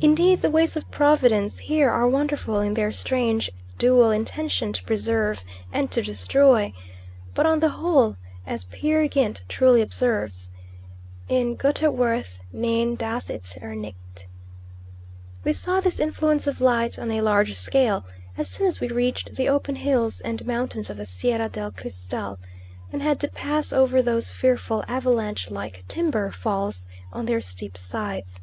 Indeed the ways of Providence here are wonderful in their strange dual intention to preserve and to destroy; but on the whole, as Peer Gynt truly observes, "Ein guter Wirth nein das ist er nicht." We saw this influence of light on a large scale as soon as we reached the open hills and mountains of the Sierra del Cristal, and had to pass over those fearful avalanche like timber falls on their steep sides.